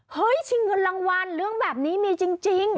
ชิงเงินรางวัลเรื่องแบบนี้มีจริง